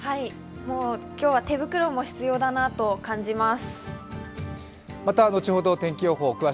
今日は手袋も必要だなと感じます。